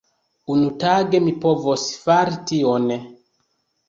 Unutage mi povos fari tion.